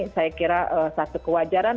saya kira satu kewajaran